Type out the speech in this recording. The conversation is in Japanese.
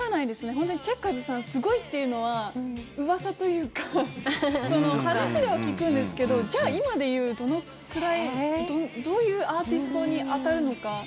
本当に、チェッカーズさんすごいというのはうわさというか話では聞くんですけどじゃあ、今でいうどのくらいどういうアーティストに当たるのか。